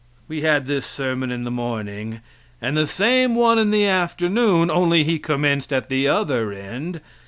We had this sermon in the morning and the same one in the afternoon, only he commenced at the other end.